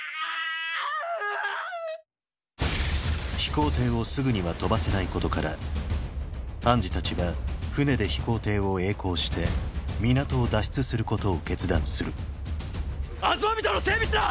飛行艇をすぐには飛ばせないことからハンジたちは船で飛行艇を曳航して港を脱出することを決断するアズマビトの整備士だ！！